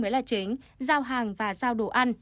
mới là chính giao hàng và giao đồ ăn